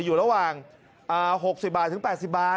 อยู่ระหว่าง๖๐บาทถึง๘๐บาท